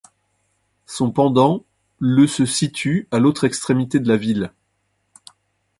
Son pendant, le se situe à l'autre extrémité de la ville.